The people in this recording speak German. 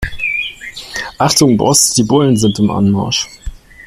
Achtung Boss, die Bullen sind im Anmarsch.